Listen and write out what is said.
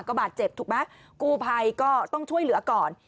ก็บาดเจ็บถูกไหมกู้ภัยก็ต้องช่วยเหลือก่อน